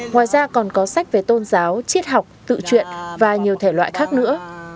ngoài ra còn có sách về tôn giáo triết học tự truyện và nhiều thể loại khác nữa